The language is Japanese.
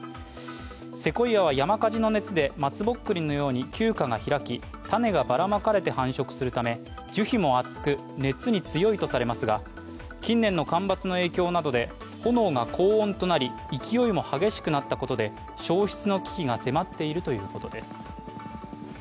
セコイアは山火事の熱で松ぼっくりのように球果が開き種がばらまかれて繁殖するため、樹皮も厚く、熱に強いとされますが近年の干ばつの影響などで炎が高温となり勢いも激しくなったことで焼失の危機が迫っているということです。